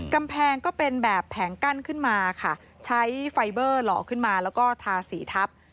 กำแพงก็เป็นแบบแผงกั้นขึ้นมาค่ะใช้ไฟเบอร์หล่อขึ้นมาแล้วก็ทาสีทับ